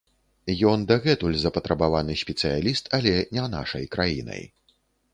Ён дагэтуль запатрабаваны спецыяліст, але не нашай краінай.